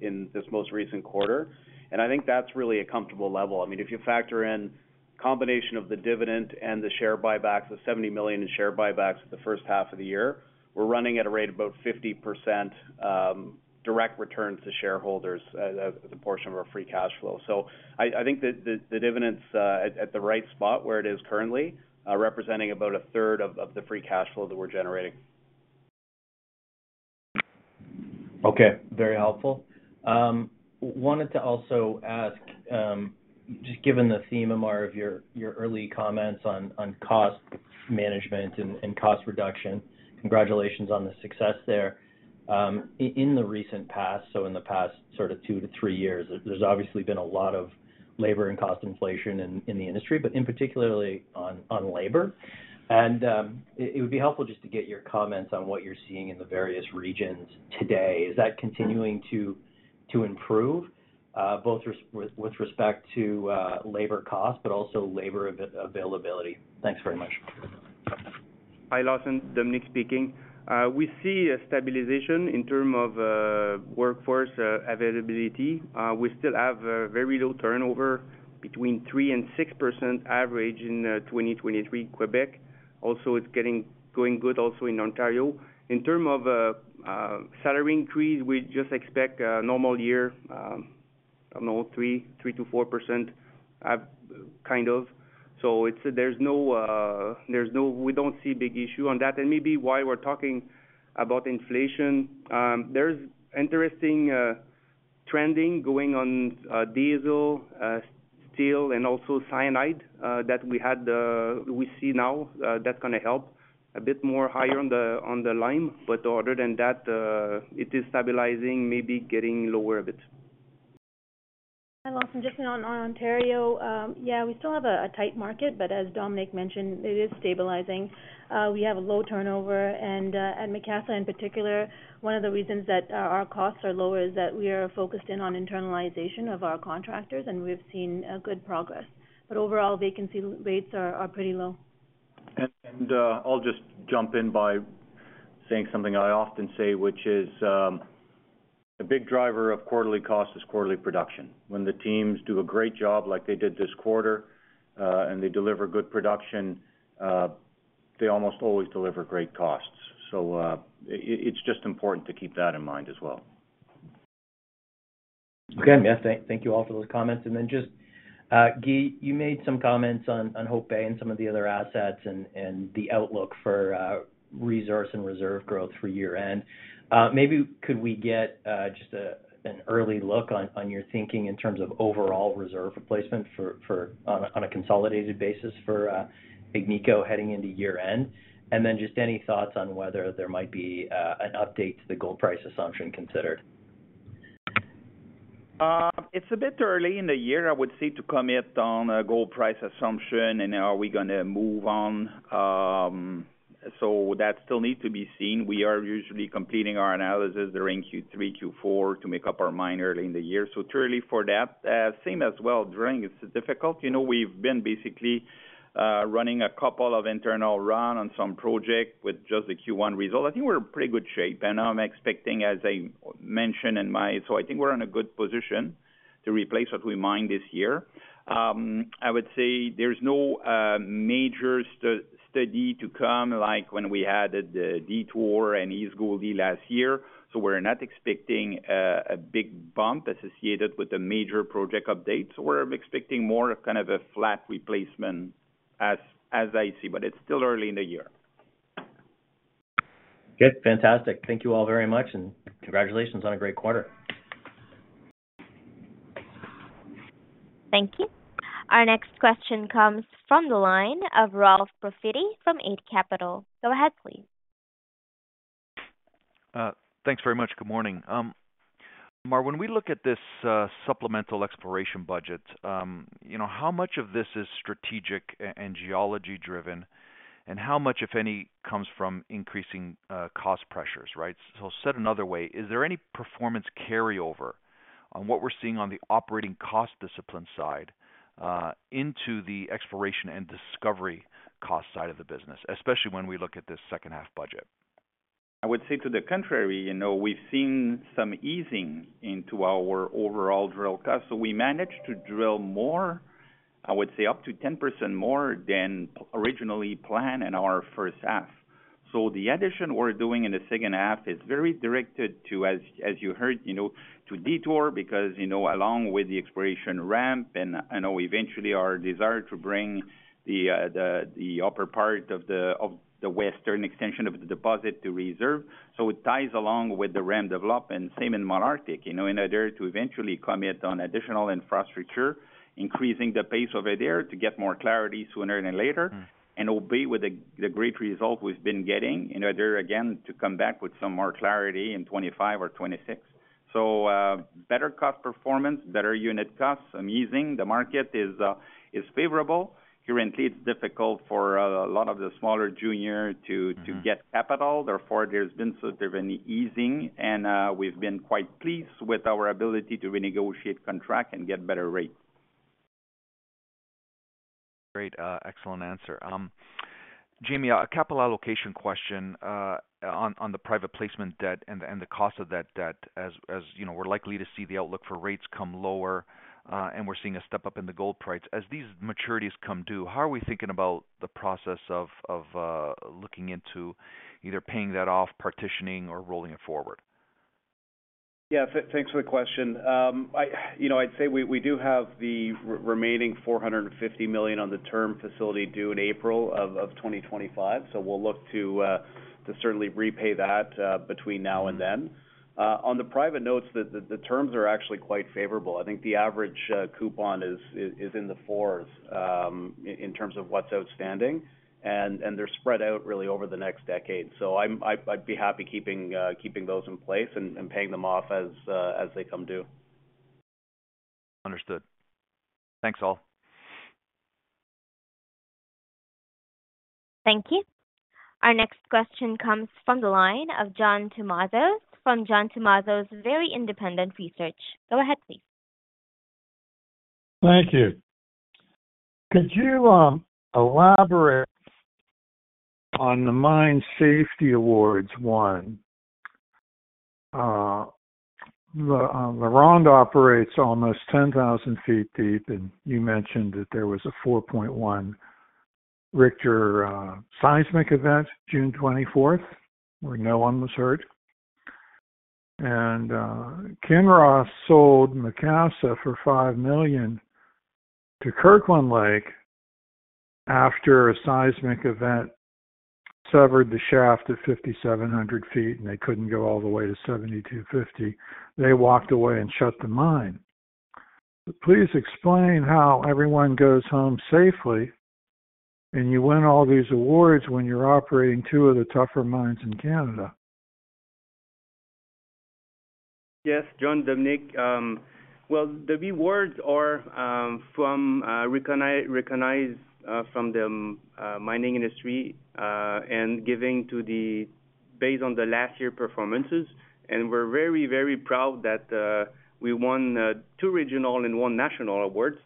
in this most recent quarter, and I think that's really a comfortable level. I mean, if you factor in combination of the dividend and the share buybacks, the $70 million in share buybacks for the first half of the year, we're running at a rate of about 50%, direct return to shareholders as a portion of our free cash flow. So I think the dividend's at the right spot where it is currently, representing about a third of the free cash flow that we're generating. Okay. Very helpful. Wanted to also ask, just given the theme, Ammar, of your early comments on cost management and cost reduction, congratulations on the success there. In the recent past, so in the past sort of two to three years, there's obviously been a lot of labor and cost inflation in the industry, but particularly on labor. It would be helpful just to get your comments on what you're seeing in the various regions today. Is that continuing to improve, both with respect to labor cost, but also labor availability? Thanks very much. Hi, Lawson, Dominique speaking. We see a stabilization in term of workforce availability. We still have a very low turnover between 3%-6% average in 2023 Quebec. Also, it's going good also in Ontario. In term of salary increase, we just expect a normal year, you know, 3%-4%, kind of. So it's, there's no, there's no... We don't see big issue on that. And maybe why we're talking about inflation, there's interesting trending going on, diesel, steel, and also cyanide, that we had, we see now, that's gonna help a bit more higher on the line. But other than that, it is stabilizing, maybe getting lower a bit. Hi, Lawson, just on Ontario, yeah, we still have a tight market, but as Dominique mentioned, it is stabilizing. We have a low turnover, and at Macassa, in particular, one of the reasons that our costs are lower is that we are focused in on internalization of our contractors, and we've seen a good progress. But overall, vacancy rates are pretty low. I'll just jump in by saying something I often say, which is, a big driver of quarterly cost is quarterly production. When the teams do a great job like they did this quarter, and they deliver good production, they almost always deliver great costs. So, it's just important to keep that in mind as well.... Okay. Yeah, thank you all for those comments. And then just, Guy, you made some comments on Hope Bay and some of the other assets and the outlook for resource and reserve growth for year-end. Maybe we could get just an early look on your thinking in terms of overall reserve replacement for, on a consolidated basis for Agnico heading into year-end? And then just any thoughts on whether there might be an update to the gold price assumption considered? It's a bit early in the year, I would say, to commit on a gold price assumption and are we gonna move on. So that still need to be seen. We are usually completing our analysis during Q3, Q4 to make up our mind early in the year. So truly for that, same as well, during it's difficult. You know, we've been basically running a couple of internal run on some project with just the Q1 result. I think we're in pretty good shape, and I'm expecting, as I mentioned in my... So I think we're in a good position to replace what we mine this year. I would say there's no major study to come, like when we had the Detour and East Gouldie last year, so we're not expecting a big bump associated with the major project updates. We're expecting more of kind of a flat replacement, as I see, but it's still early in the year. Good. Fantastic. Thank you all very much, and congratulations on a great quarter. Thank you. Our next question comes from the line of Ralph Profiti from Eight Capital. Go ahead, please. Thanks very much. Good morning. Ammar, when we look at this supplemental exploration budget, you know, how much of this is strategic and geology driven, and how much, if any, comes from increasing cost pressures, right? So said another way, is there any performance carryover on what we're seeing on the operating cost discipline side into the exploration and discovery cost side of the business, especially when we look at this second half budget? I would say to the contrary, you know, we've seen some easing into our overall drill cost. So we managed to drill more, I would say up to 10% more than originally planned in our first half. So the addition we're doing in the second half is very directed to, as you heard, you know, to Detour, because, you know, along with the exploration ramp and, I know eventually our desire to bring the upper part of the western extension of the deposit to reserve. So it ties along with the ramp development, same in Malartic, you know, in order to eventually commit on additional infrastructure, increasing the pace over there to get more clarity sooner than later. Mm-hmm. Align with the great results we've been getting, in order, again, to come back with some more clarity in 2025 or 2026. So, better cost performance, better unit costs. Some easing, the market is favorable. Currently, it's difficult for a lot of the smaller junior to- Mm-hmm - to get capital. Therefore, there's been sort of an easing, and, we've been quite pleased with our ability to renegotiate contract and get better rates. Great, excellent answer. Jamie, a capital allocation question, on the private placement debt and the cost of that debt. As you know, we're likely to see the outlook for rates come lower, and we're seeing a step up in the gold price. As these maturities come due, how are we thinking about the process of looking into either paying that off, partitioning, or rolling it forward? Yeah, thanks for the question. You know, I'd say we do have the remaining $450 million on the term facility due in April 2025. So we'll look to certainly repay that between now and then. On the private notes, the terms are actually quite favorable. I think the average coupon is in the 4% in terms of what's outstanding, and they're spread out really over the next decade. So I'd be happy keeping those in place and paying them off as they come due. Understood. Thanks, all. Thank you. Our next question comes from the line of John Tumazos, from John Tumazos Very Independent Research. Go ahead, please. Thank you. Could you elaborate on the Mine Safety Awards won? The LaRonde operates almost 10,000 feet deep, and you mentioned that there was a 4.1 Richter seismic event, June 24, where no one was hurt. And Kinross sold Macassa for $5 million to Kirkland Lake after a seismic event severed the shaft at 5,700 feet, and they couldn't go all the way to 7,250. They walked away and shut the mine. Please explain how everyone goes home safely, and you win all these awards when you're operating two of the tougher mines in Canada. Yes, John, Dominique. Well, the awards are from recognized from the mining industry and giving to the... based on the last year performances, and we're very, very proud that we won two regional and one national awards.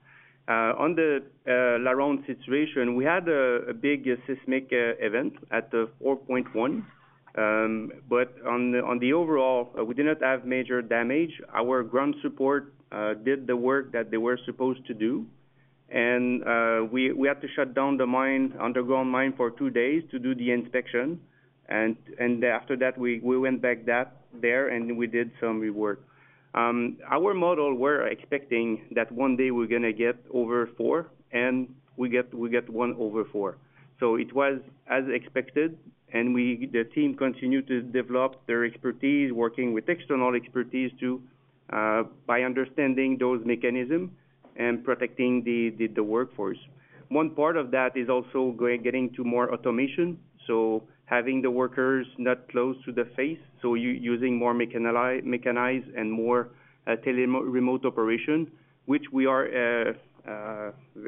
On the LaRonde situation, we had a big seismic event at the 4.1. But on the overall, we did not have major damage. Our ground support did the work that they were supposed to do. We had to shut down the underground mine for two days to do the inspection. After that, we went back there, and we did some rework. Our model, we're expecting that one day we're going to get over four, and we get one over four. So it was as expected, and the team continued to develop their expertise, working with external expertise too, by understanding those mechanisms and protecting the workforce. One part of that is also getting to more automation, so having the workers not close to the face, using more mechanized and more remote operation, which we are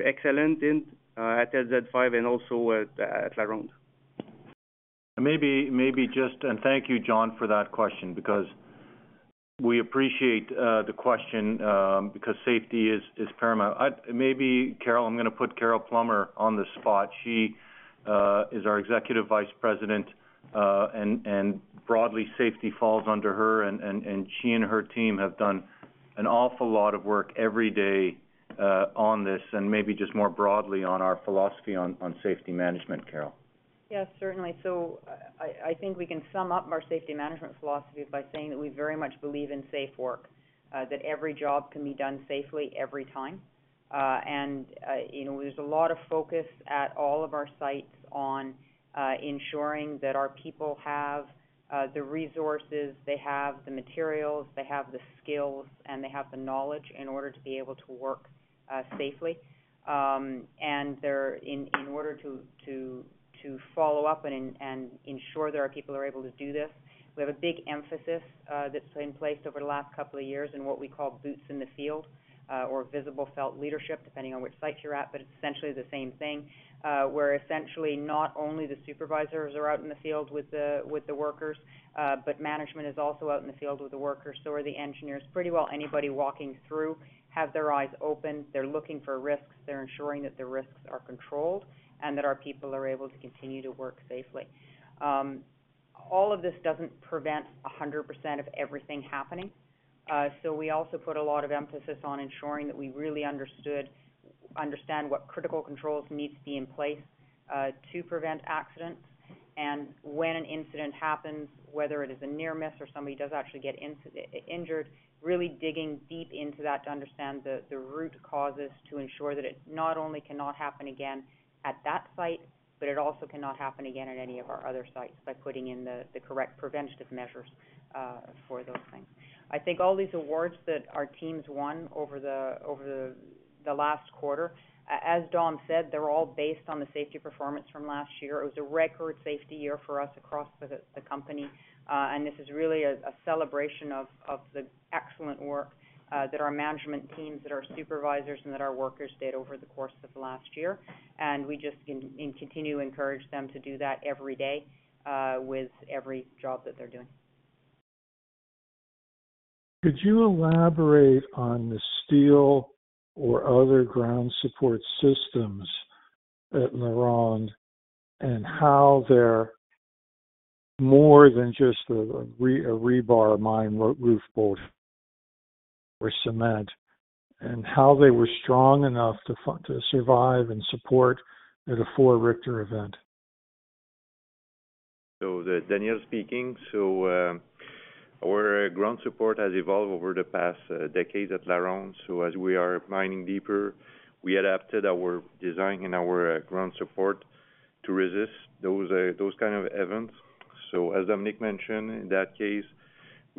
excellent in at LZ5 and also at LaRonde. Maybe just... And thank you, John, for that question, because we appreciate the question, because safety is paramount. Maybe, Carol, I'm going to put Carol Plummer on the spot. She is our Executive Vice President, and she and her team have done an awful lot of work every day on this, and maybe just more broadly, on our philosophy on safety management, Carol. Yes, certainly. So I think we can sum up our safety management philosophy by saying that we very much believe in safe work, that every job can be done safely every time. And, you know, there's a lot of focus at all of our sites on ensuring that our people have the resources, they have the materials, they have the skills, and they have the knowledge in order to be able to work safely. And in order to follow up and ensure that our people are able to do this, we have a big emphasis that's been in place over the last couple of years in what we call boots in the field, or visible felt leadership, depending on which site you're at, but it's essentially the same thing. Where essentially, not only the supervisors are out in the field with the workers, but management is also out in the field with the workers, so are the engineers. Pretty well, anybody walking through have their eyes open, they're looking for risks, they're ensuring that the risks are controlled, and that our people are able to continue to work safely. All of this doesn't prevent 100% of everything happening, so we also put a lot of emphasis on ensuring that we really understood, understand what critical controls need to be in place, to prevent accidents. When an incident happens, whether it is a near miss or somebody does actually get injured, really digging deep into that to understand the root causes, to ensure that it not only cannot happen again at that site, but it also cannot happen again at any of our other sites by putting in the correct preventative measures for those things. I think all these awards that our teams won over the last quarter, as Dom said, they're all based on the safety performance from last year. It was a record safety year for us across the company, and this is really a celebration of the excellent work that our management teams, that our supervisors, and that our workers did over the course of last year. We just continue to encourage them to do that every day, with every job that they're doing. Could you elaborate on the steel or other ground support systems at LaRonde and how they're more than just a rebar mine, roof bolt, or cement, and how they were strong enough to function to survive and support at a four Richter event? Daniel speaking. Our ground support has evolved over the past decade at LaRonde. As we are mining deeper, we adapted our design and our ground support to resist those, those kind of events. As Dominique mentioned, in that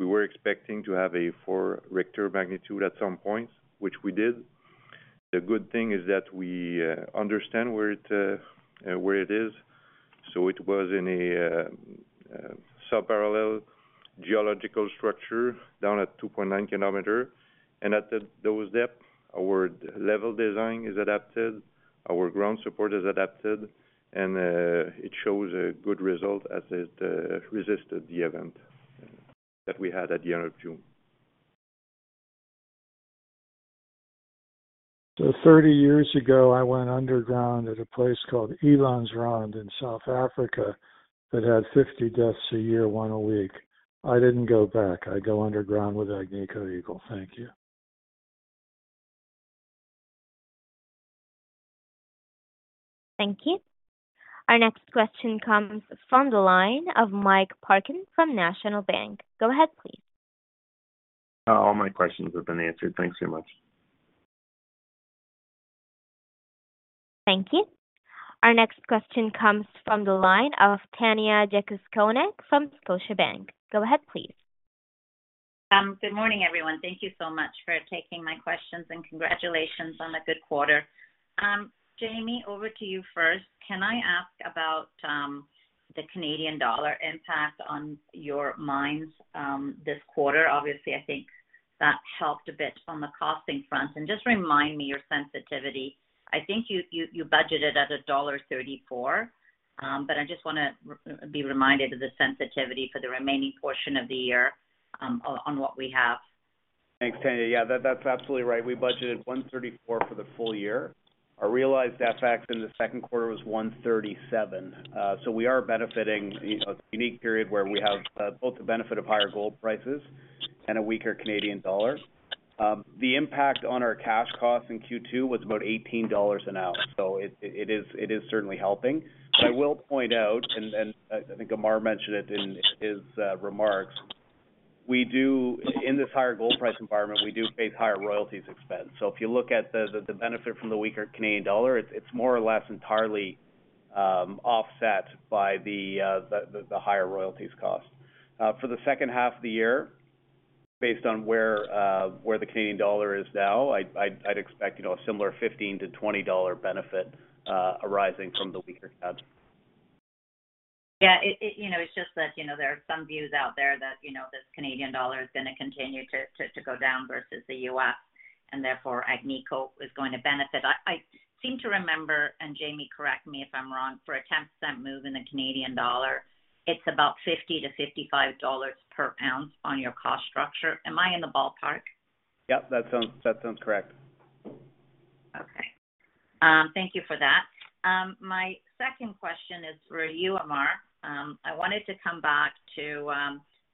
case, we were expecting to have a four Richter magnitude at some point, which we did. The good thing is that we understand where it, where it is. It was in a subparallel geological structure down at 2.9 km. And at those depth, our level design is adapted, our ground support is adapted, and it shows a good result as it resisted the event that we had at the end of June. 30 years ago, I went underground at a place called Elandsrand in South Africa, that had 50 deaths a year, one a week. I didn't go back. I go underground with Agnico Eagle. Thank you. Thank you. Our next question comes from the line of Mike Parkin from National Bank. Go ahead, please. All my questions have been answered. Thanks so much. Thank you. Our next question comes from the line of Tanya Jakusconek from Scotiabank. Go ahead, please. Good morning, everyone. Thank you so much for taking my questions, and congratulations on a good quarter. Jamie, over to you first. Can I ask about the Canadian dollar impact on your mines this quarter? Obviously, I think that helped a bit on the costing front. And just remind me your sensitivity. I think you budgeted at 1.34%, but I just want to be reminded of the sensitivity for the remaining portion of the year, on what we have. Thanks, Tanya. Yeah, that, that's absolutely right. We budgeted 1.34% for the full year. Our realized FX in the second quarter was 1.37%. So we are benefiting, you know, a unique period where we have both the benefit of higher gold prices and a weaker Canadian dollar. The impact on our cash costs in Q2 was about $18 an ounce, so it is certainly helping. But I will point out, and I think Ammar mentioned it in his remarks, we do in this higher gold price environment pay higher royalties expense. So if you look at the benefit from the weaker Canadian dollar, it's more or less entirely offset by the higher royalties cost. For the second half of the year, based on where the Canadian dollar is now, I'd expect, you know, a similar $15-$20 benefit arising from the weaker CAD. Yeah, it, you know, it's just that, you know, there are some views out there that, you know, this Canadian dollar is going to continue to go down versus the U.S., and therefore, Agnico is going to benefit. I seem to remember, and Jamie, correct me if I'm wrong, for a 0.1 move in the Canadian dollar, it's about $50-$55 per ounce on your cost structure. Am I in the ballpark? Yep, that sounds correct. Okay. Thank you for that. My second question is for you, Ammar. I wanted to come back to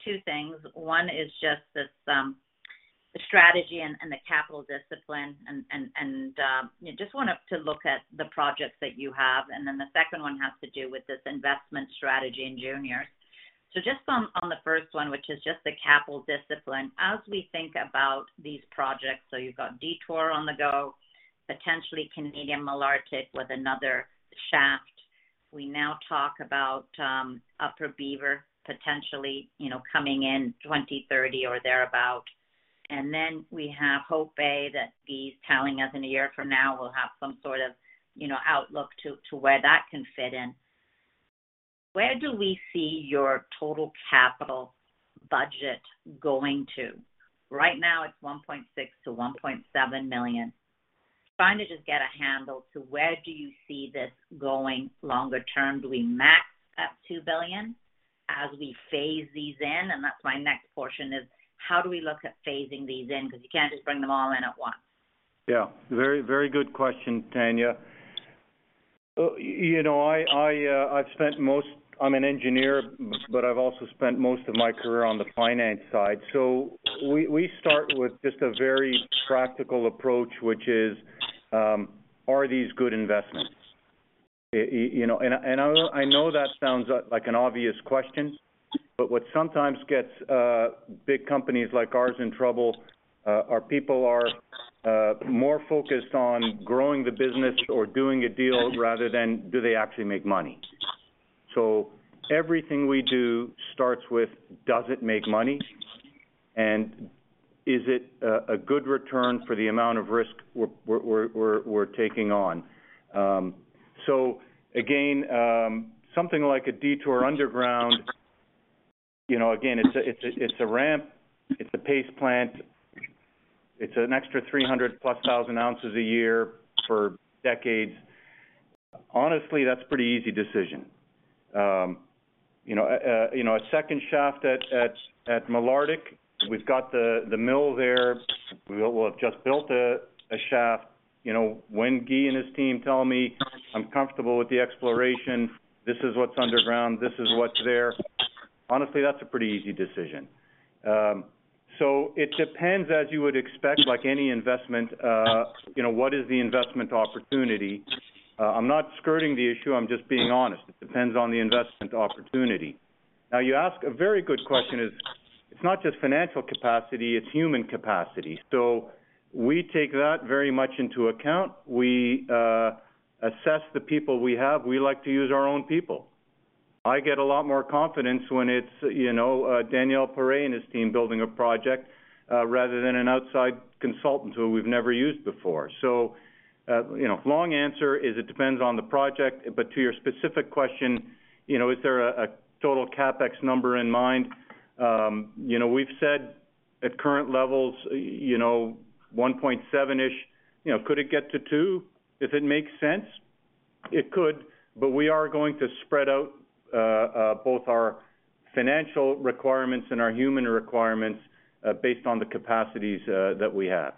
two things. One is just this, the strategy and the capital discipline, and just wanted to look at the projects that you have. And then the second one has to do with this investment strategy in juniors. So just on the first one, which is just the capital discipline, as we think about these projects, so you've got Detour on the go, potentially Canadian Malartic with another shaft. We now talk about Upper Beaver, potentially, you know, coming in 2030 or thereabout. And then we have Hope Bay, that he's telling us in a year from now, we'll have some sort of, you know, outlook to where that can fit in. Where do we see your total capital budget going to? Right now, it's $1.6 billion-$1.7 biilion. Trying to just get a handle to where do you see this going longer term? Do we max at $2 billion as we phase these in? And that's my next portion, is how do we look at phasing these in? Because you can't just bring them all in at once. Yeah, very, very good question, Tanya. You know, I, I've spent most... I'm an engineer, but I've also spent most of my career on the finance side. So we start with just a very practical approach, which is, are these good investments? You know, and I know that sounds like an obvious question, but what sometimes gets big companies like ours in trouble are people are more focused on growing the business or doing a deal rather than do they actually make money. So everything we do starts with, does it make money, and is it a good return for the amount of risk we're taking on? So again, something like a Detour Underground, you know, again, it's a ramp, it's a paste plant, it's an extra 300,000+ ounces a year for decades. Honestly, that's a pretty easy decision. You know, a second shaft at Malartic, we've got the mill there. We have just built a shaft. You know, when Guy and his team tell me, "I'm comfortable with the exploration, this is what's underground, this is what's there," honestly, that's a pretty easy decision. So it depends, as you would expect, like any investment, you know, what is the investment opportunity? I'm not skirting the issue, I'm just being honest. It depends on the investment opportunity. Now, you ask a very good question, it's not just financial capacity, it's human capacity. So we take that very much into account. We assess the people we have. We like to use our own people. I get a lot more confidence when it's, you know, Daniel Paré and his team building a project rather than an outside consultant who we've never used before. So, you know, long answer is it depends on the project, but to your specific question, you know, is there a total CapEx number in mind? You know, we've said at current levels, you know, $1.7 billion-ish, you know, could it get to $2 billion? If it makes sense, it could, but we are going to spread out both our financial requirements and our human requirements based on the capacities that we have.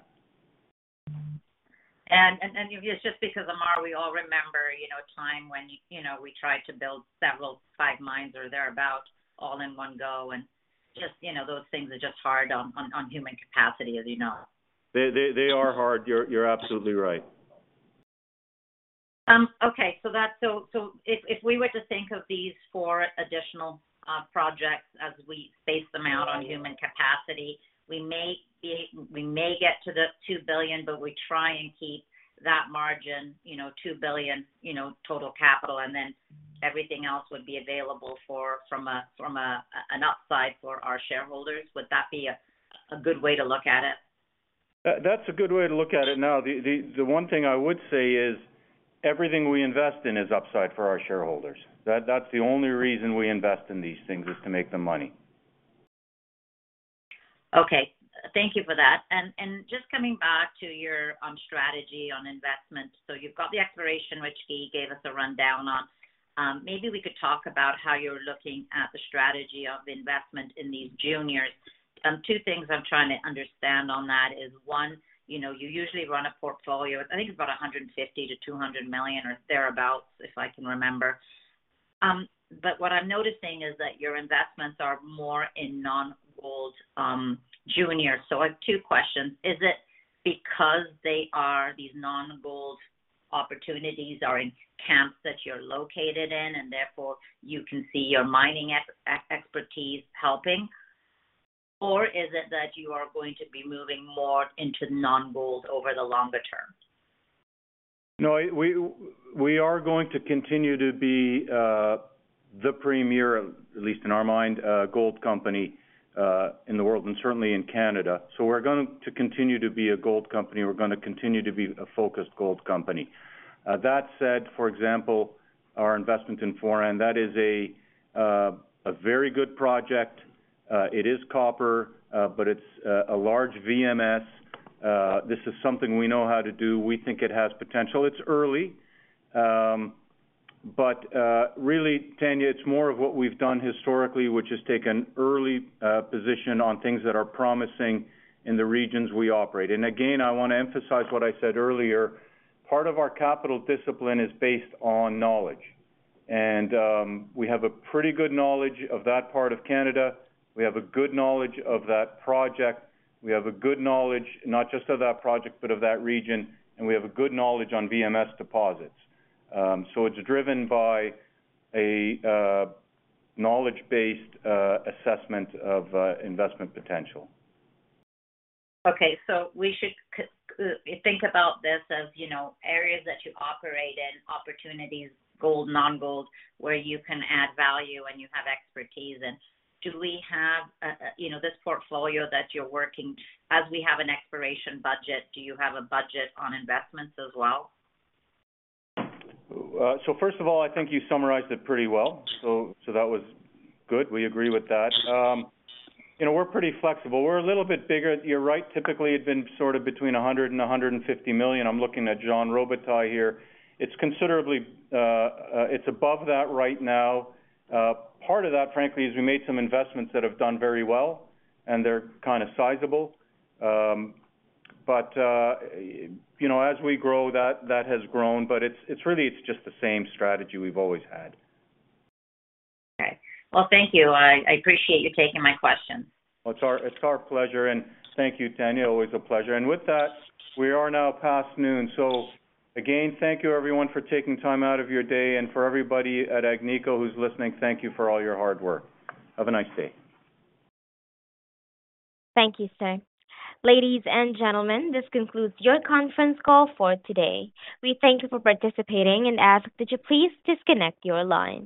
Just because, Ammar, we all remember, you know, a time when, you know, we tried to build five mines or thereabout, all in one go, and just, you know, those things are just hard on human capacity, as you know. They are hard. You're absolutely right. Okay, so that's so if we were to think of these four additional projects as we phase them out on human capacity, we may get to the $2 billion, but we try and keep that margin, you know, $2 billion, you know, total capital, and then everything else would be available for an upside for our shareholders. Would that be a good way to look at it? That's a good way to look at it. Now, the one thing I would say is everything we invest in is upside for our shareholders. That's the only reason we invest in these things, is to make them money. Okay. Thank you for that. And just coming back to your strategy on investment. So you've got the exploration, which Guy gave us a rundown on. Maybe we could talk about how you're looking at the strategy of investment in these juniors. Two things I'm trying to understand on that is, one, you know, you usually run a portfolio, I think, it's about $150 million-$200 million or thereabout, if I can remember. But what I'm noticing is that your investments are more in non-gold junior. So I have two questions: Is it because they are, these non-gold opportunities are in camps that you're located in, and therefore, you can see your mining expertise helping? Or is it that you are going to be moving more into non-gold over the longer term? No, we are going to continue to be the premier, at least in our mind, gold company in the world, and certainly in Canada. So we're going to continue to be a gold company. We're gonna continue to be a focused gold company. That said, for example, our investment in Foran, that is a very good project. It is copper, but it's a large VMS. This is something we know how to do. We think it has potential. It's early, but really, Tanya, it's more of what we've done historically, which is take an early position on things that are promising in the regions we operate. And again, I wanna emphasize what I said earlier, part of our capital discipline is based on knowledge, and we have a pretty good knowledge of that part of Canada. We have a good knowledge of that project. We have a good knowledge, not just of that project, but of that region, and we have a good knowledge on VMS deposits. So it's driven by a knowledge-based assessment of investment potential. Okay, so we should think about this as, you know, areas that you operate in, opportunities, gold, non-gold, where you can add value and you have expertise in. Do we have, you know, this portfolio that you're working, as we have an exploration budget, do you have a budget on investments as well? So first of all, I think you summarized it pretty well, so, so that was good. We agree with that. You know, we're pretty flexible. We're a little bit bigger. You're right, typically, it's been sort of between $100 million and $150 million. I'm looking at Jean Robitaille here. It's considerably. It's above that right now. Part of that, frankly, is we made some investments that have done very well, and they're kinda sizable. But, you know, as we grow, that, that has grown, but it's, it's really, it's just the same strategy we've always had. Okay. Well, thank you. I, I appreciate you taking my questions. Well, it's our pleasure, and thank you, Tanya. Always a pleasure. And with that, we are now past noon. So again, thank you, everyone, for taking time out of your day, and for everybody at Agnico who's listening, thank you for all your hard work. Have a nice day. Thank you, sir. Ladies and gentlemen, this concludes your conference call for today. We thank you for participating and ask that you please disconnect your line.